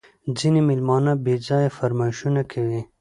ځیني مېلمانه بېځایه فرمایشونه کوي